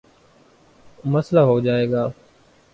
مسلہ ہو جائے گا۔